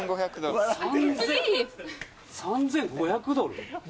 ３５００ドル？